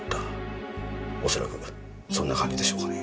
恐らくそんな感じでしょうかね。